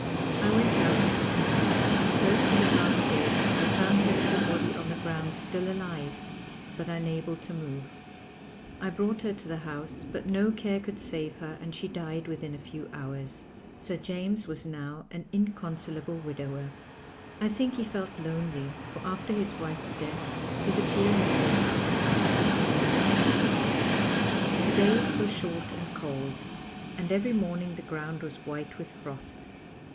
I went out next morning, and close to the garden gate I found her little body on the ground still alive, but unable to move. I brought her to the house, but no care could save her and she died within a few hours. Sir James was now an inconsolable widower. I think he felt lonely, for after his wife's death his appearances about the house became more and more frequent. The days were short and cold, and every morning the ground was white with frost.